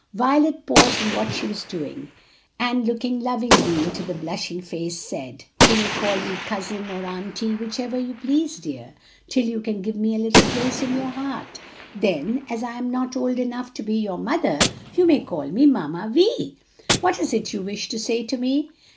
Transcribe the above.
Violet paused in what she was doing, and looking lovingly into the blushing face, said, "You may call me cousin or auntie, whichever you please, dear, till you can give me a little place in your heart; then, as I am not old enough to be your mother, you may call me Mamma Vi. What is it you wish to say to me?"